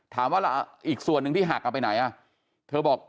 ถามว่าอีกส่วนหนึ่งที่หักเอาไปไหนอ่ะเธอบอก